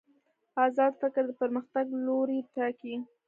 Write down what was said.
ازاد فکر د پرمختګ لوری ټاکي.